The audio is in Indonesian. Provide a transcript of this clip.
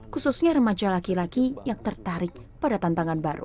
khususnya remaja laki laki yang tertarik pada tantangan baru